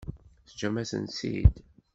Teǧǧam-asent-tt-id?